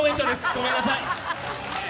ごめんなさい。